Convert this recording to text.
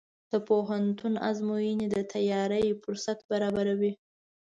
د پوهنتون ازموینې د تیاری فرصت برابروي.